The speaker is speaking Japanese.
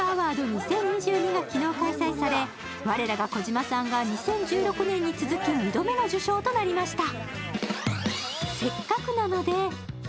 ２０２２が昨日、開催され、我らが児嶋さんが２０１６年に続き２度目の受賞となりました。